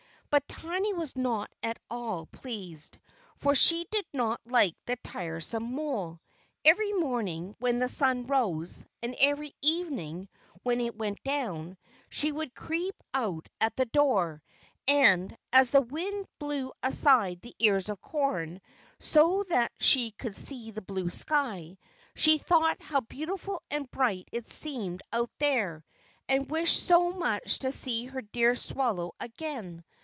But Tiny was not at all pleased; for she did not like the tiresome mole. Every morning when the sun rose, and every evening when it went down, she would creep out at the door, and as the wind blew aside the ears of corn, so that she could see the blue sky, she thought how beautiful and bright it seemed out there, and wished so much to see her dear swallow again.